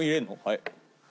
はい。